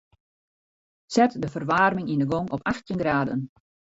Set de ferwaarming yn 'e gong op achttjin graden.